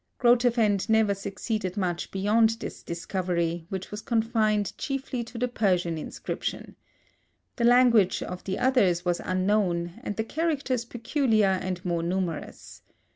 Grotefend never succeeded much beyond this discovery, which was confined chiefly to the Persian inscription. The language of the others was unknown, and the characters peculiar and more numerous.